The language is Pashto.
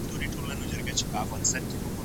خلک بايد يو بل درک کړي.